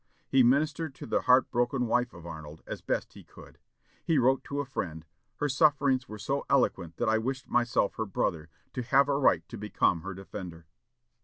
He ministered to the heart broken wife of Arnold, as best he could. He wrote to a friend, "Her sufferings were so eloquent that I wished myself her brother, to have a right to become her defender."